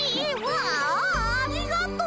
ありがとう！